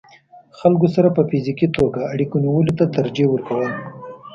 خلکو سره په فزيکي توګه اړيکې نيولو ته ترجيح ورکول